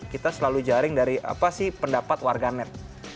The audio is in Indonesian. kita selalu jaring dari apa sih pendapat warga net